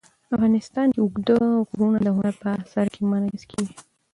افغانستان کې اوږده غرونه د هنر په اثار کې منعکس کېږي.